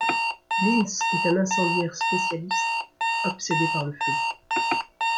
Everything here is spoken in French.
Lynns est un incendiaire spécialiste, obsédé par le feu.